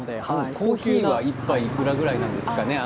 コーヒーは１杯いくらぐらいなんですか？